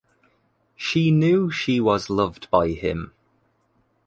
She knew she was loved by him.